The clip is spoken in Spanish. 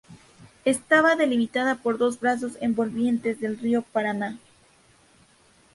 Estaba delimitada por dos brazos envolventes del río Paraná.